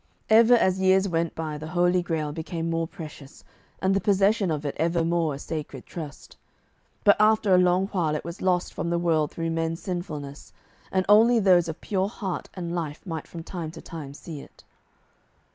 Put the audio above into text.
Ever as years went by the Holy Grail became more precious, and the possession of it ever more a sacred trust. But after a long while it was lost from the world through men's sinfulness, and only those of pure heart and life might from time to time see it.